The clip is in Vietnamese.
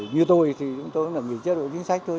như tôi thì chúng tôi là người chế độ chính sách thôi